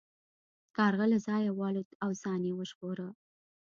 کارغه له ځایه والوت او ځان یې وژغوره.